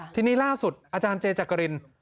ทีนี้ล่าสุดอาจารย์เจจักริน